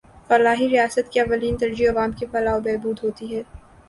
فلاحی ریاست کی اولین ترجیح عوام کی فلاح و بہبود ہوتی ہے